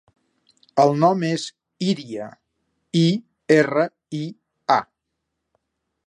El nom és Iria: i, erra, i, a.